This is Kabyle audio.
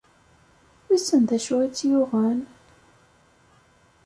Wissen d acu i tt-yuɣen?